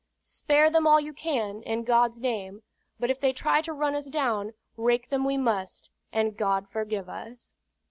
"Spare them all you can, in God's name; but if they try to run us down, rake them we must, and God forgive us."